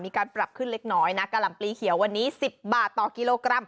มีการปรับขึ้นเล็กน้อยนะกะหล่ำปลีเขียววันนี้๑๐บาทต่อกิโลกรัม